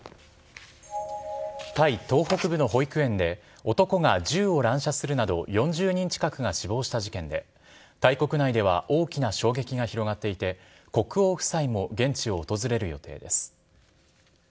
タイ東北部の保育園で男が銃を乱射するなど４０人近くが死亡した事件でタイ国内では大きな衝撃が広がっていて国王夫妻も現地を訪れる予定です。